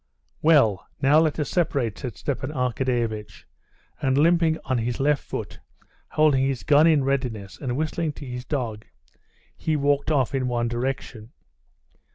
"Well, now let us separate," said Stepan Arkadyevitch, and limping on his left foot, holding his gun in readiness and whistling to his dog, he walked off in one direction.